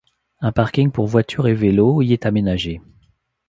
Un parking pour voitures et vélos y est aménagé.